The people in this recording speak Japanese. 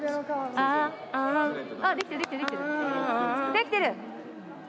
できてる！